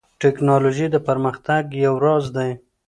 ټیکنالوژي د پرمختګ یو راز دی.